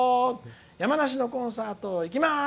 山梨のコンサート行きます！」。